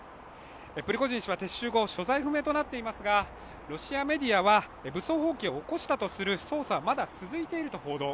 プリゴジン氏は撤収後、所在不明となっていますが、ロシアメディアは武装蜂起を起こしたとする捜査はまだ続いていると報道。